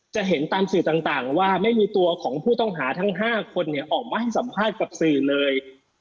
จะเห็นตามสื่อต่างว่าไม่มีตัวของผู้ต้องหาทั้ง๕คนออกมาให้สัมภาษณ์กับสื่อเลย